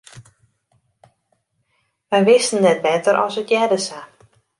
Wy wisten net better as it hearde sa.